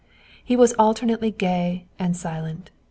He was alternately gay and silent.